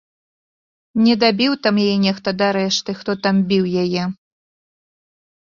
Не дабіў там яе нехта дарэшты, хто там біў яе!